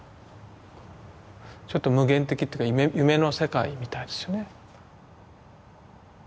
ちょっと夢幻的というか夢の世界みたいですよね。